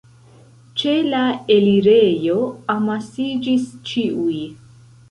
Ĉe la elirejo amasiĝis ĉiuj.